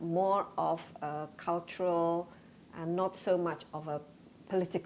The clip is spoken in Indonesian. terserah tentang sebuah kultur dan tidak terlalu berkaitan dengan entitas politik